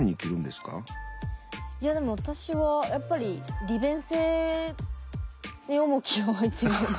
いやでも私はやっぱり利便性に重きを置いてるよね。